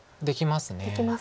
できます。